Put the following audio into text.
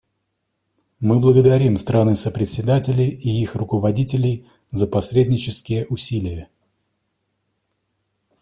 Мы благодарим страны-сопредседатели и их руководителей за посреднические усилия.